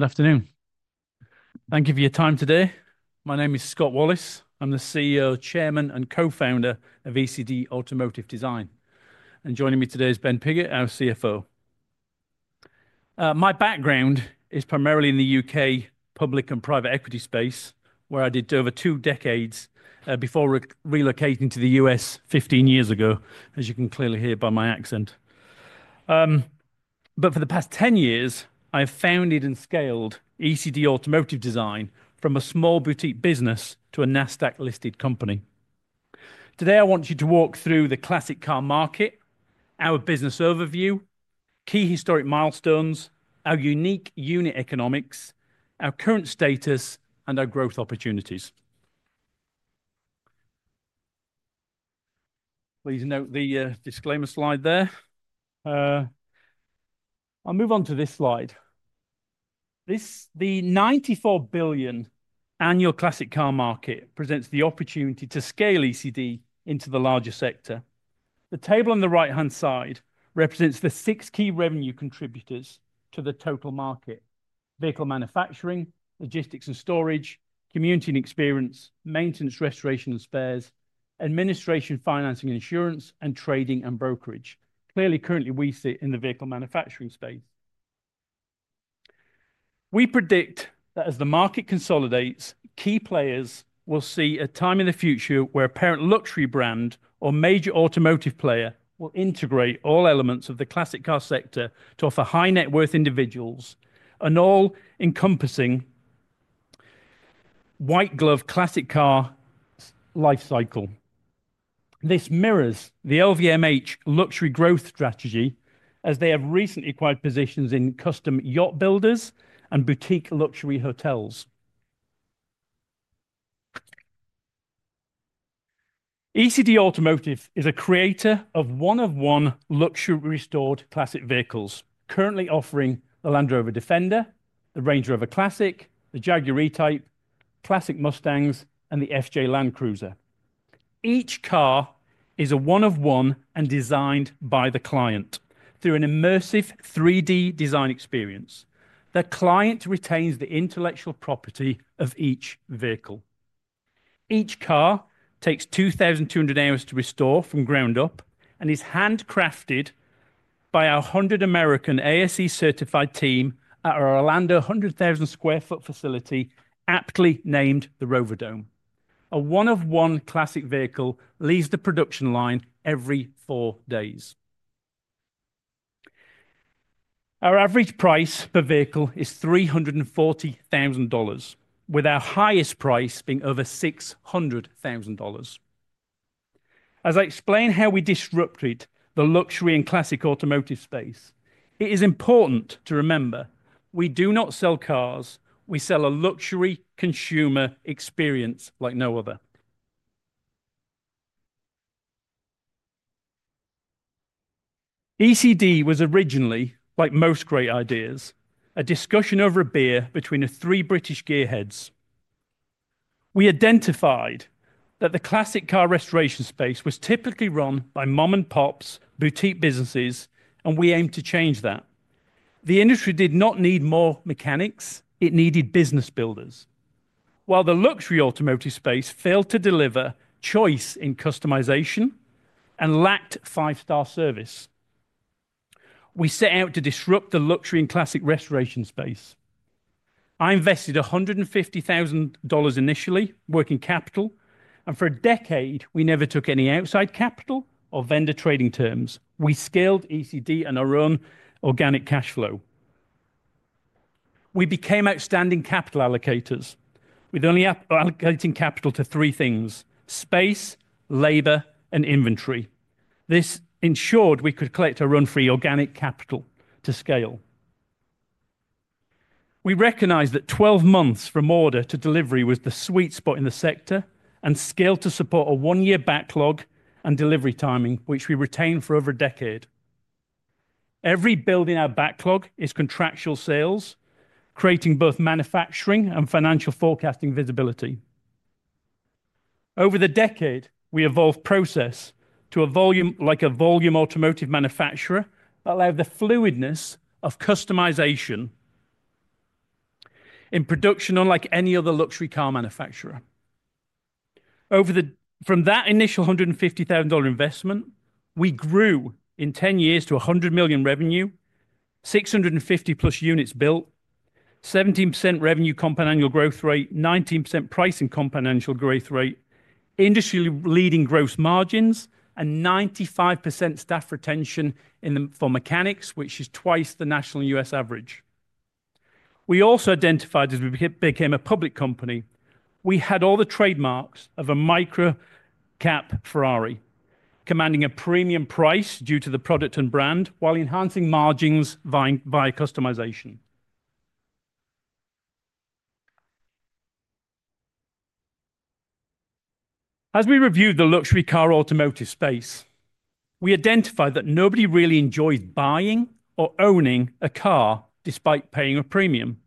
Good afternoon. Thank you for your time today. My name is Scott Wallace. I'm the CEO, Chairman, and Co-founder of ECD Automotive Design. Joining me today is Ben Piggott, our CFO. My background is primarily in the U.K. public and private equity space, where I did over two decades before relocating to the U.S. 15 years ago, as you can clearly hear by my accent. For the past 10 years, I have founded and scaled ECD Automotive Design from a small boutique business to a Nasdaq-listed company. Today, I want you to walk through the classic car market, our business overview, key historic milestones, our unique unit economics, our current status, and our growth opportunities. Please note the disclaimer slide there. I'll move on to this slide. The $94 billion annual classic car market presents the opportunity to scale ECD into the larger sector. The table on the right-hand side represents the six key revenue contributors to the total market: vehicle manufacturing, logistics and storage, community and experience, maintenance, restoration and spares, administration, financing and insurance, and trading and brokerage. Clearly, currently, we sit in the vehicle manufacturing space. We predict that as the market consolidates, key players will see a time in the future where a parent luxury brand or major automotive player will integrate all elements of the classic car sector to offer high-net-worth individuals an all-encompassing white-glove classic car lifecycle. This mirrors the LVMH luxury growth strategy, as they have recently acquired positions in custom yacht builders and boutique luxury hotels. ECD Automotive is a creator of one-of-one luxury restored classic vehicles, currently offering the Land Rover Defender, the Range Rover Classic, the Jaguar E-Type, Classic Mustang, and the FJ Land Cruiser. Each car is a one-of-one and designed by the client through an immersive 3D design experience. The client retains the intellectual property of each vehicle. Each car takes 2,200 hours to restore from ground up and is handcrafted by our 100 American ASE-certified team at our Orlando 100,000 sq ft facility, aptly named the Rover Dome. A one-of-one classic vehicle leaves the production line every four days. Our average price per vehicle is $340,000, with our highest price being over $600,000. As I explain how we disrupted the luxury and classic automotive space, it is important to remember we do not sell cars; we sell a luxury consumer experience like no other. ECD was originally, like most great ideas, a discussion over a beer between three British gearheads. We identified that the classic car restoration space was typically run by mom-and-pops, boutique businesses, and we aimed to change that. The industry did not need more mechanics; it needed business builders. While the luxury automotive space failed to deliver choice in customization and lacked five-star service, we set out to disrupt the luxury and classic restoration space. I invested $150,000 initially, working capital, and for a decade, we never took any outside capital or vendor trading terms. We scaled ECD and our own organic cash flow. We became outstanding capital allocators, with only allocating capital to three things: space, labor, and inventory. This ensured we could collect our own free organic capital to scale. We recognized that 12 months from order to delivery was the sweet spot in the sector and scaled to support a one-year backlog and delivery timing, which we retained for over a decade. Every bill in our backlog is contractual sales, creating both manufacturing and financial forecasting visibility. Over the decade, we evolved process to a volume like a volume automotive manufacturer that allowed the fluidness of customization in production, unlike any other luxury car manufacturer. From that initial $150,000 investment, we grew in 10 years to $100 million revenue, 650+ units built, 17% revenue compound annual growth rate, 19% price and compound annual growth rate, industry-leading gross margins, and 95% staff retention for mechanics, which is twice the national U.S. average. We also identified as we became a public company, we had all the trademarks of a micro-cap Ferrari, commanding a premium price due to the product and brand while enhancing margins via customization. As we reviewed the luxury car automotive space, we identified that nobody really enjoys buying or owning a car despite paying a premium.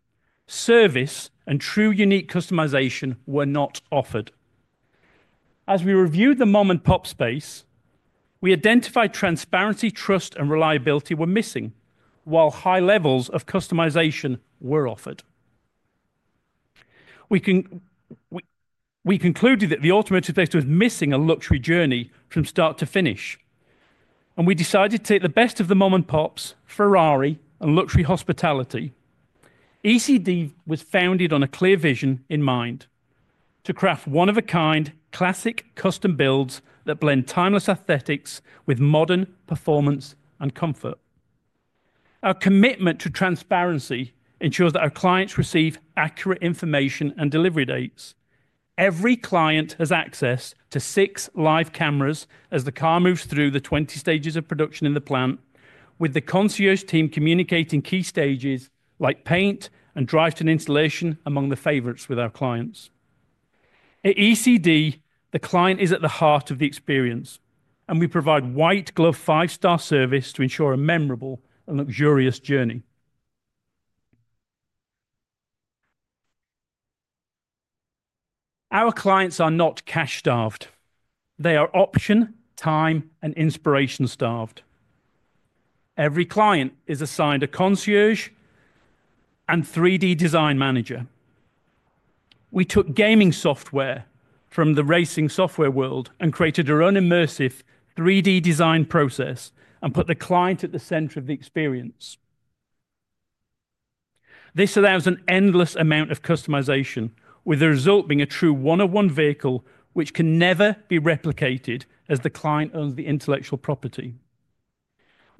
Service and true unique customization were not offered. As we reviewed the mom-and-pop space, we identified transparency, trust, and reliability were missing, while high levels of customization were offered. We concluded that the automotive space was missing a luxury journey from start to finish, and we decided to take the best of the mom-and-pops, Ferrari, and luxury hospitality. ECD was founded on a clear vision in mind to craft one-of-a-kind classic custom builds that blend timeless aesthetics with modern performance and comfort. Our commitment to transparency ensures that our clients receive accurate information and delivery dates. Every client has access to six live cameras as the car moves through the 20 stages of production in the plant, with the concierge team communicating key stages like paint and drive-through installation among the favorites with our clients. At ECD, the client is at the heart of the experience, and we provide white-glove five-star service to ensure a memorable and luxurious journey. Our clients are not cash-starved; they are option, time, and inspiration-starved. Every client is assigned a concierge and 3D design manager. We took gaming software from the racing software world and created our own immersive 3D design process and put the client at the center of the experience. This allows an endless amount of customization, with the result being a true one-of-one vehicle which can never be replicated as the client owns the intellectual property.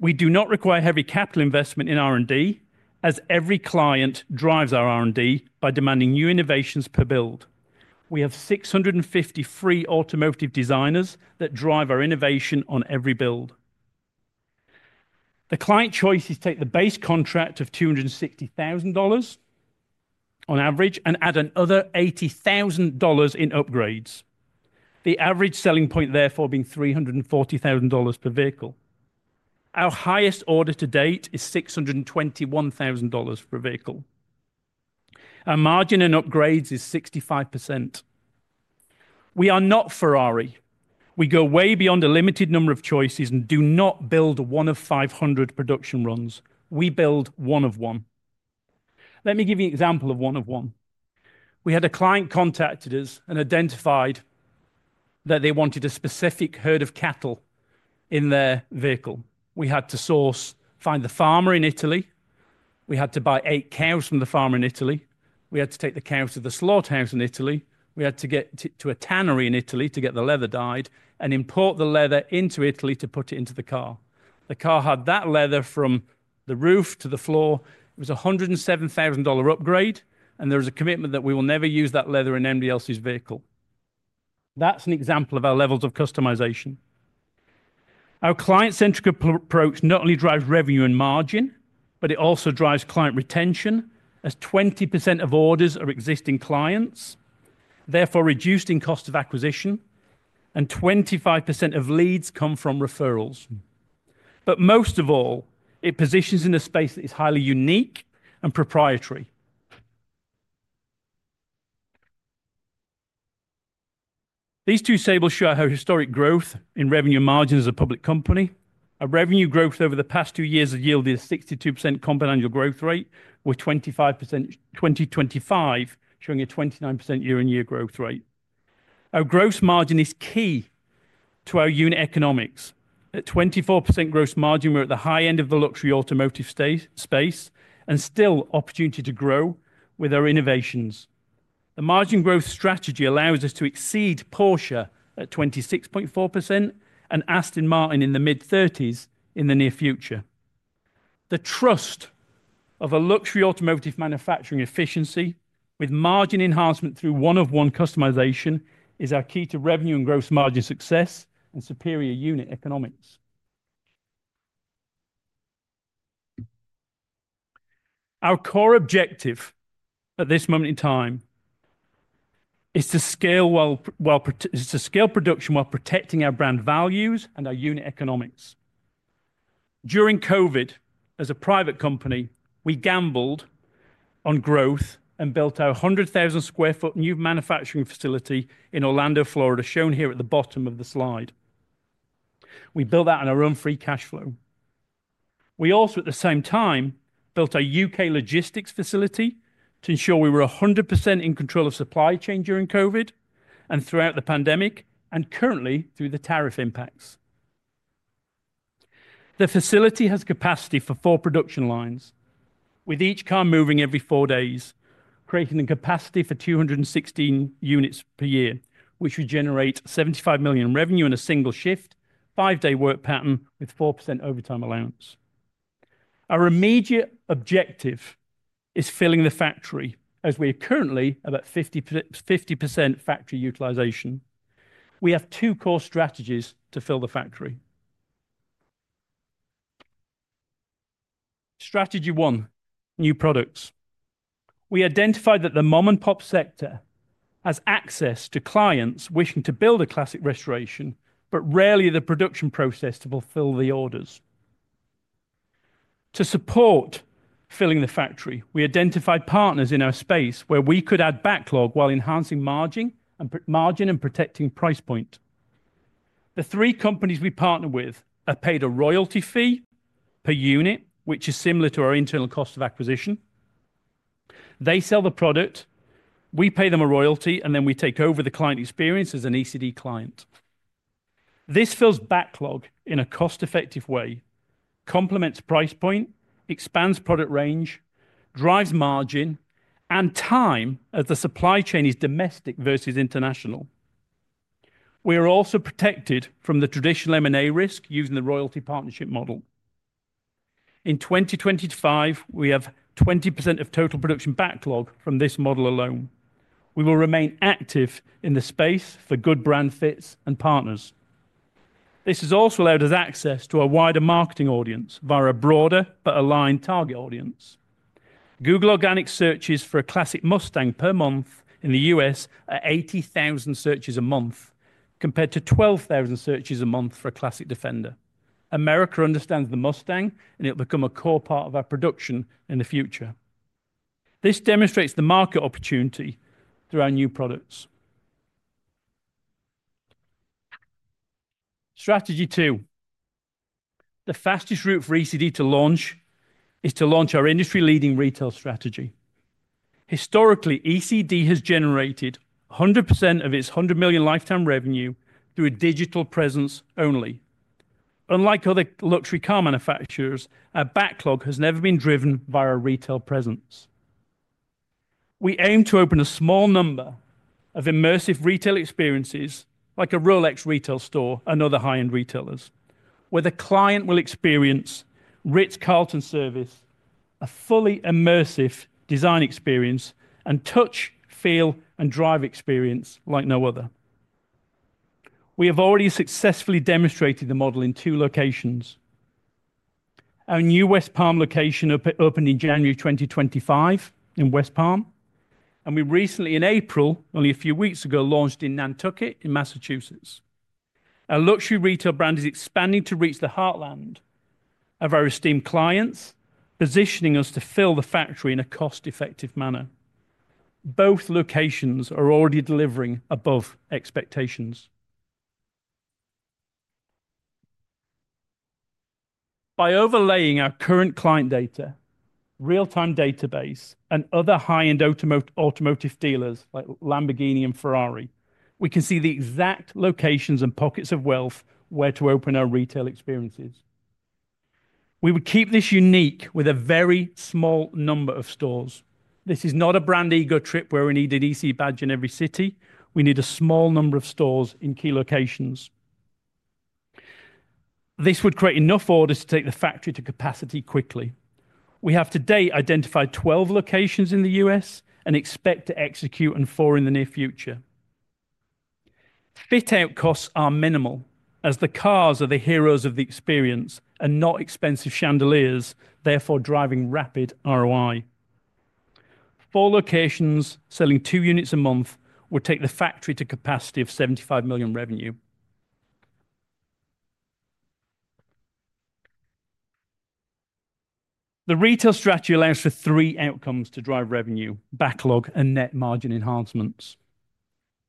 We do not require heavy capital investment in R&D, as every client drives our R&D by demanding new innovations per build. We have 650 free automotive designers that drive our innovation on every build. The client choices take the base contract of $260,000 on average and add another $80,000 in upgrades, the average selling point therefore being $340,000 per vehicle. Our highest order to date is $621,000 per vehicle. Our margin on upgrades is 65%. We are not Ferrari. We go way beyond a limited number of choices and do not build one of 500 production runs. We build one-of-one. Let me give you an example of one-of-one. We had a client contacted us and identified that they wanted a specific herd of cattle in their vehicle. We had to source, find the farmer in Italy. We had to buy eight cows from the farmer in Italy. We had to take the cows to the slaughterhouse in Italy. We had to get to a tannery in Italy to get the leather dyed and import the leather into Italy to put it into the car. The car had that leather from the roof to the floor. It was a $107,000 upgrade, and there was a commitment that we will never use that leather in anybody else's vehicle. That's an example of our levels of customization. Our client-centric approach not only drives revenue and margin, but it also drives client retention, as 20% of orders are existing clients, therefore reducing cost of acquisition, and 25% of leads come from referrals. Most of all, it positions in a space that is highly unique and proprietary. These two tables show our historic growth in revenue margins as a public company. Our revenue growth over the past two years has yielded a 62% compound annual growth rate, with 25% in 2025 showing a 29% year-on-year growth rate. Our gross margin is key to our unit economics. At 24% gross margin, we're at the high end of the luxury automotive space and still have opportunity to grow with our innovations. The margin growth strategy allows us to exceed Porsche at 26.4% and Aston Martin in the mid-30% in the near future. The trust of a luxury automotive manufacturing efficiency with margin enhancement through one-of-one customization is our key to revenue and gross margin success and superior unit economics. Our core objective at this moment in time is to scale production while protecting our brand values and our unit economics. During COVID, as a private company, we gambled on growth and built our 100,000 sq ft new manufacturing facility in Orlando, Florida, shown here at the bottom of the slide. We built that on our own free cash flow. We also, at the same time, built a U.K. logistics facility to ensure we were 100% in control of supply chain during COVID and throughout the pandemic and currently through the tariff impacts. The facility has capacity for four production lines, with each car moving every four days, creating the capacity for 216 units per year, which would generate $75 million in revenue in a single shift, five-day work pattern with 4% overtime allowance. Our immediate objective is filling the factory, as we are currently at about 50% factory utilization. We have two core strategies to fill the factory. Strategy one, new products. We identified that the mom-and-pop sector has access to clients wishing to build a classic restoration, but rarely the production process to fulfill the orders. To support filling the factory, we identified partners in our space where we could add backlog while enhancing margin and protecting price point. The three companies we partner with have paid a royalty fee per unit, which is similar to our internal cost of acquisition. They sell the product, we pay them a royalty, and then we take over the client experience as an ECD client. This fills backlog in a cost-effective way, complements price point, expands product range, drives margin, and time as the supply chain is domestic versus international. We are also protected from the traditional M&A risk using the royalty partnership model. In 2025, we have 20% of total production backlog from this model alone. We will remain active in the space for good brand fits and partners. This has also allowed us access to a wider marketing audience via a broader but aligned target audience. Google organic searches for a classic Mustang per month in the U.S. are 80,000 searches a month, compared to 12,000 searches a month for a Classic Defender. America understands the Mustang, and it will become a core part of our production in the future. This demonstrates the market opportunity through our new products. Strategy two. The fastest route for ECD to launch is to launch our industry-leading retail strategy. Historically, ECD has generated 100% of its $100 million lifetime revenue through a digital presence only. Unlike other luxury car manufacturers, our backlog has never been driven via retail presence. We aim to open a small number of immersive retail experiences like a Rolex retail store and other high-end retailers, where the client will experience Ritz-Carlton service, a fully immersive design experience, and touch, feel, and drive experience like no other. We have already successfully demonstrated the model in two locations. Our new West Palm location opened in January 2025 in West Palm, and we recently, in April, only a few weeks ago, launched in Nantucket in Massachusetts. Our luxury retail brand is expanding to reach the heartland of our esteemed clients, positioning us to fill the factory in a cost-effective manner. Both locations are already delivering above expectations. By overlaying our current client data, real-time database, and other high-end automotive dealers like Lamborghini and Ferrari, we can see the exact locations and pockets of wealth where to open our retail experiences. We would keep this unique with a very small number of stores. This is not a brand ego trip where we need an ECD badge in every city. We need a small number of stores in key locations. This would create enough orders to take the factory to capacity quickly. We have to date identified 12 locations in the U.S. and expect to execute on four in the near future. Fit-out costs are minimal, as the cars are the heroes of the experience and not expensive chandeliers, therefore driving rapid ROI. Four locations selling two units a month would take the factory to capacity of $75 million revenue. The retail strategy allows for three outcomes to drive revenue: backlog and net margin enhancements.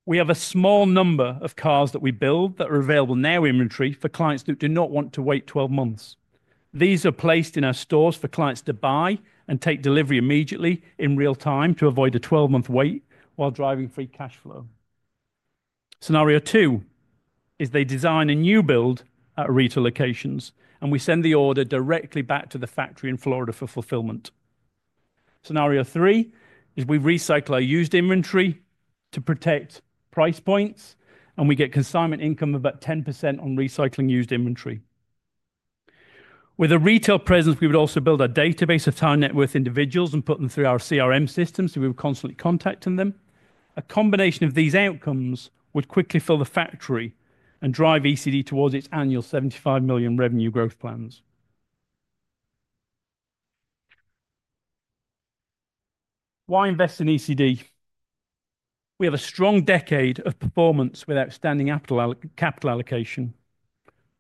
We have a small number of cars that we build that are available now in inventory for clients that do not want to wait 12 months. These are placed in our stores for clients to buy and take delivery immediately in real time to avoid a 12-month wait while driving free cash flow. Scenario two is they design a new build at retail locations, and we send the order directly back to the factory in Florida for fulfillment. Scenario three is we recycle our used inventory to protect price points, and we get consignment income of about 10% on recycling used inventory. With a retail presence, we would also build a database of high-net-worth individuals and put them through our CRM system so we were constantly contacting them. A combination of these outcomes would quickly fill the factory and drive ECD towards its annual $75 million revenue growth plans. Why invest in ECD? We have a strong decade of performance with outstanding capital allocation.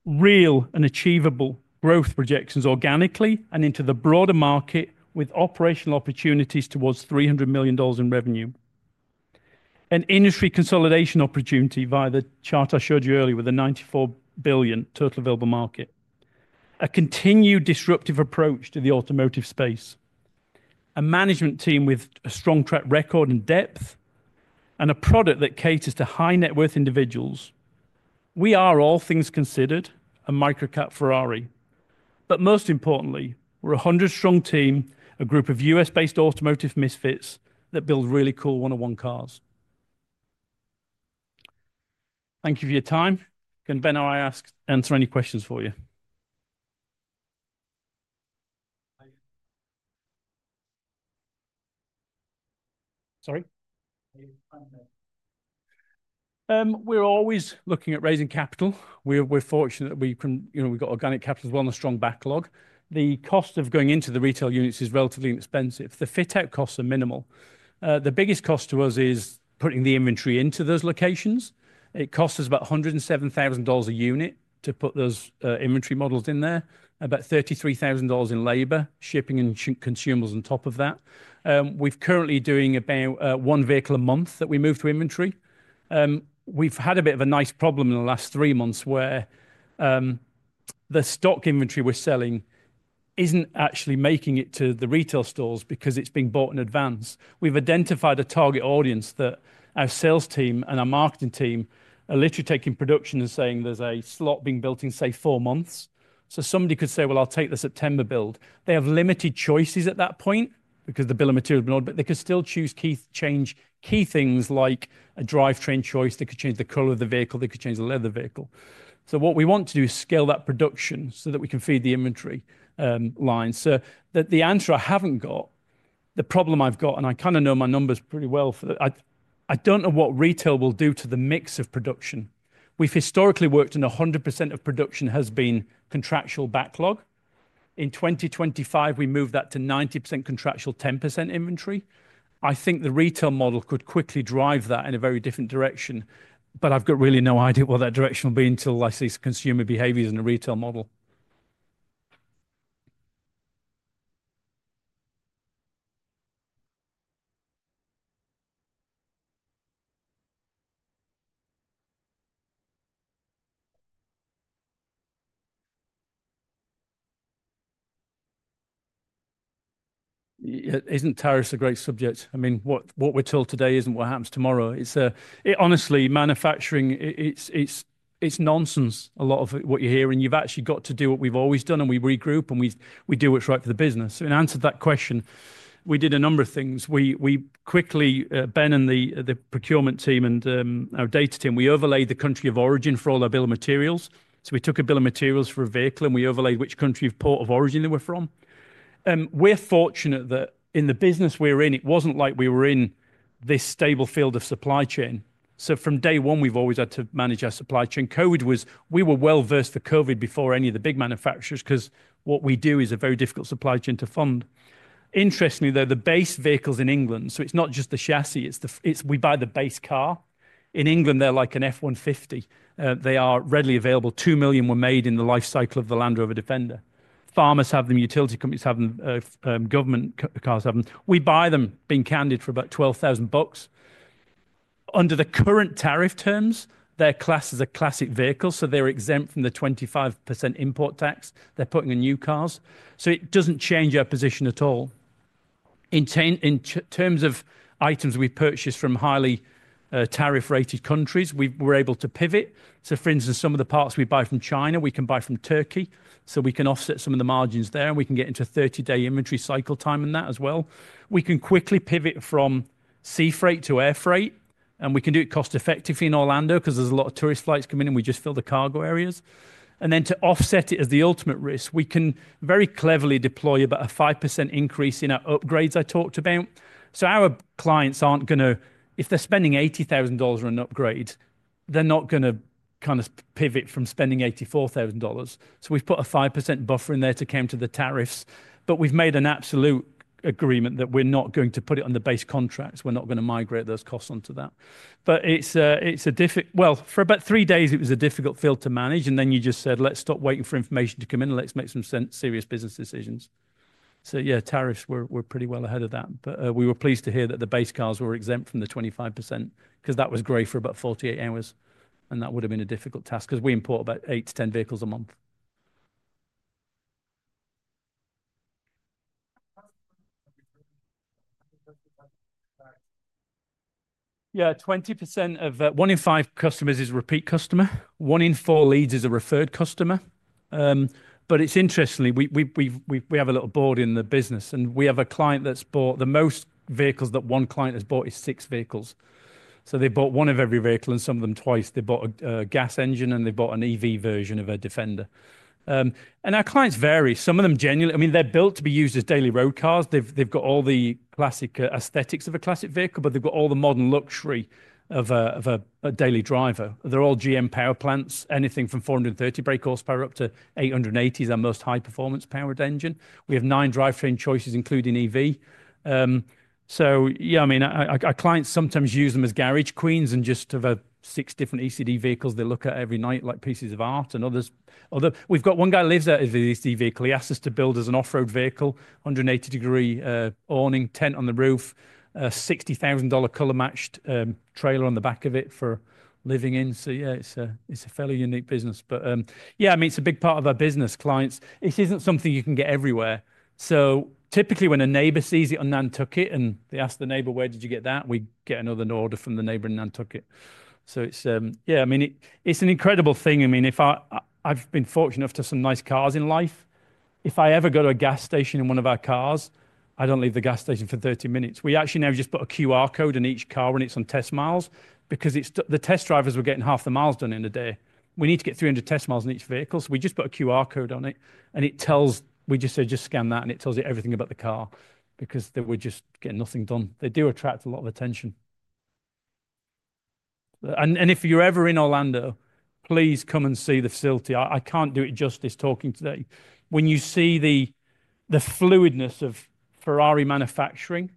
Real and achievable growth projections organically and into the broader market with operational opportunities towards $300 million in revenue. An industry consolidation opportunity via the chart I showed you earlier with the $94 billion total available market. A continued disruptive approach to the automotive space. A management team with a strong track record and depth, and a product that caters to high-net-worth individuals. We are, all things considered, a micro-cap Ferrari. Most importantly, we're a 100-strong team, a group of U.S.-based automotive misfits that build really cool one-of-one cars. Thank you for your time. Can Ben or I answer any questions for you? Sorry? We're always looking at raising capital. We're fortunate that we've got organic capital as well and a strong backlog. The cost of going into the retail units is relatively inexpensive. The fit-out costs are minimal. The biggest cost to us is putting the inventory into those locations. It costs us about $107,000 a unit to put those inventory models in there, about $33,000 in labor, shipping, and consumables on top of that. We're currently doing about one vehicle a month that we move to inventory. We've had a bit of a nice problem in the last three months where the stock inventory we're selling isn't actually making it to the retail stores because it's being bought in advance. We've identified a target audience that our sales team and our marketing team are literally taking production and saying there's a slot being built in, say, four months. Somebody could say, "Well, I'll take the September build." They have limited choices at that point because the bill of material has been ordered, but they could still change key things like a drivetrain choice. They could change the color of the vehicle. They could change the leather vehicle. What we want to do is scale that production so that we can feed the inventory line. The answer I haven't got, the problem I've got, and I kind of know my numbers pretty well for that, I don't know what retail will do to the mix of production. We've historically worked in 100% of production has been contractual backlog. In 2025, we moved that to 90% contractual, 10% inventory. I think the retail model could quickly drive that in a very different direction, but I've got really no idea what that direction will be until I see consumer behaviors in the retail model. Isn't tariffs a great subject? I mean, what we're told today isn't what happens tomorrow. It's honestly manufacturing. It's nonsense, a lot of what you hear. You've actually got to do what we've always done, and we regroup, and we do what's right for the business. In answer to that question, we did a number of things. Ben and the procurement team and our data team, we overlaid the country of origin for all our bill of materials. We took a bill of materials for a vehicle, and we overlaid which country of port of origin they were from. We're fortunate that in the business we're in, it wasn't like we were in this stable field of supply chain. From day one, we've always had to manage our supply chain. We were well versed for COVID before any of the big manufacturers because what we do is a very difficult supply chain to fund. Interestingly, they're the base vehicles in England. It's not just the chassis. We buy the base car. In England, they're like an F-150. They are readily available. Two million were made in the lifecycle of the Land Rover Defender. Farmers have them. Utility companies have them. Government cars have them. We buy them, being candid, for about $12,000. Under the current tariff terms, they're classed as a classic vehicle, so they're exempt from the 25% import tax. They're putting in new cars. It doesn't change our position at all. In terms of items we purchase from highly tariff-rated countries, we're able to pivot. For instance, some of the parts we buy from China, we can buy from Turkey. We can offset some of the margins there, and we can get into a 30-day inventory cycle time in that as well. We can quickly pivot from sea freight to air freight, and we can do it cost-effectively in Orlando because there's a lot of tourist flights coming in. We just fill the cargo areas. To offset it as the ultimate risk, we can very cleverly deploy about a 5% increase in our upgrades I talked about. Our clients aren't going to, if they're spending $80,000 on an upgrade, they're not going to kind of pivot from spending $84,000. We've put a 5% buffer in there to cater to the tariffs, but we've made an absolute agreement that we're not going to put it on the base contracts. We're not going to migrate those costs onto that. For about three days, it was a difficult field to manage, and then you just said, "Let's stop waiting for information to come in. Let's make some serious business decisions." Tariffs, we're pretty well ahead of that. We were pleased to hear that the base cars were exempt from the 25% because that was grey for about 48 hours, and that would have been a difficult task because we import about 8 vehicles-10 vehicles a month. Yeah, 20% of one in five customers is a repeat customer. One in four leads is a referred customer. It's interesting, we have a little board in the business, and we have a client that's bought the most vehicles. That one client has bought six vehicles. They bought one of every vehicle and some of them twice. They bought a gas engine, and they bought an EV version of a Defender. Our clients vary. Some of them genuinely, I mean, they're built to be used as daily road cars. They've got all the classic aesthetics of a classic vehicle, but they've got all the modern luxury of a daily driver. They're all GM power plants, anything from 430 brake horsepower up to 880 is our most high-performance powered engine. We have nine drivetrain choices, including EV. Yeah, I mean, our clients sometimes use them as garage queens and just have six different ECD vehicles they look at every night like pieces of art and others. We've got one guy that lives there with his ECD vehicle. He asked us to build as an off-road vehicle, 180-degree awning, tent on the roof, a $60,000 color-matched trailer on the back of it for living in. Yeah, it's a fairly unique business. I mean, it's a big part of our business, clients. It isn't something you can get everywhere. Typically when a neighbor sees it on Nantucket and they ask the neighbor, "Where did you get that?" we get another order from the neighbor in Nantucket. Yeah, I mean, it's an incredible thing. I mean, I've been fortunate enough to have some nice cars in life. If I ever go to a gas station in one of our cars, I don't leave the gas station for 30 minutes. We actually now just put a QR code in each car when it's on test mi because the test drivers were getting half the mi done in a day. We need to get 300 test mi in each vehicle. We just put a QR code on it, and it tells—we just say, "Just scan that," and it tells you everything about the car because they were just getting nothing done. They do attract a lot of attention. If you're ever in Orlando, please come and see the facility. I can't do it justice talking today. When you see the fluidness of Ferrari manufacturing,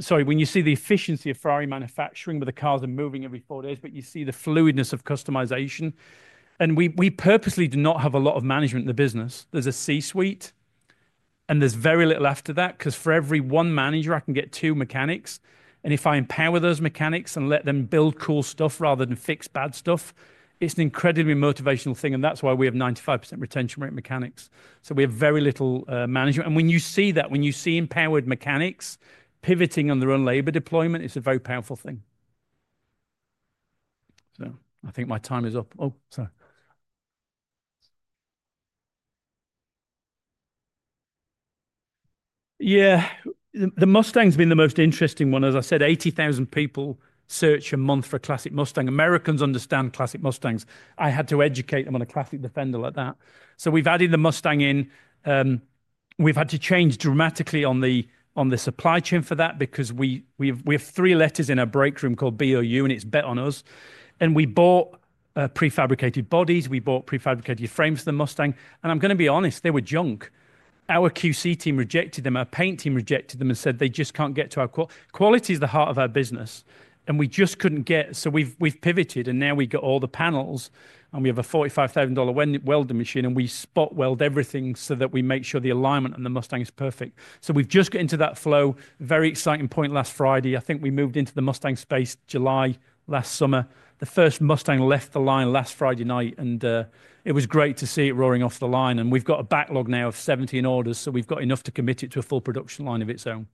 sorry, when you see the efficiency of Ferrari manufacturing where the cars are moving every four days, but you see the fluidness of customization. We purposely do not have a lot of management in the business. There's a C-suite, and there's very little after that because for every one manager, I can get two mechanics. If I empower those mechanics and let them build cool stuff rather than fix bad stuff, it's an incredibly motivational thing. That's why we have 95% retention rate mechanics. We have very little management. When you see that, when you see empowered mechanics pivoting on their own labor deployment, it's a very powerful thing. I think my time is up. Oh, sorry. Yeah, the Mustang's been the most interesting one. As I said, 80,000 people search a month for a classic Mustang. Americans understand classic Mustangs. I had to educate them on a Classic Defender like that. We’ve added the Mustang in. We’ve had to change dramatically on the supply chain for that because we have three letters in our break room called BOU, and it’s Bet On Us. We bought prefabricated bodies. We bought prefabricated frames for the Mustang. I’m going to be honest, they were junk. Our QC team rejected them. Our paint team rejected them and said they just can’t get to our quality. Quality is the heart of our business. We just couldn’t get. We have pivoted, and now we got all the panels, and we have a $45,000 welding machine, and we spot weld everything so that we make sure the alignment on the Mustang is perfect. We have just got into that flow. Very exciting point last Friday. I think we moved into the Mustang space July last summer. The first Mustang left the line last Friday night, and it was great to see it roaring off the line. We have got a backlog now of 17 orders, so we have got enough to commit it to a full production line of its own.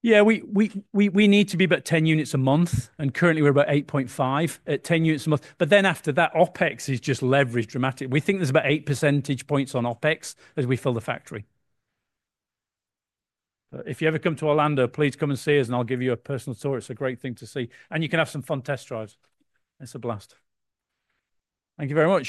Yeah, we need to be about 10 units a month, and currently we are about 8.5 at 10 units a month. After that, OpEx is just leveraged dramatically. We think there is about 8 percentage points on OpEx as we fill the factory. If you ever come to Orlando, please come and see us, and I'll give you a personal tour. It's a great thing to see. You can have some fun test drives. It's a blast. Thank you very much.